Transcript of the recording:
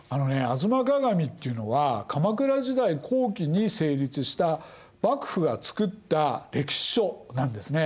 「吾妻鏡」っていうのは鎌倉時代後期に成立した幕府が作った歴史書なんですね。